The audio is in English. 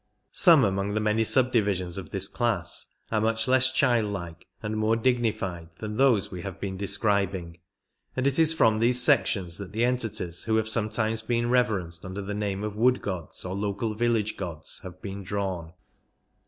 Some among the many subdivisions of this class are much less childlike and more dignified than those we have been describing, and it is from these sections that the entities who have sometimes been reverenced under the name of wood gods, or local village gods, have been drawn.